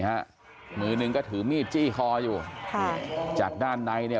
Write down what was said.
ฮะมือหนึ่งก็ถือมีดจี้คออยู่ค่ะจากด้านในเนี่ย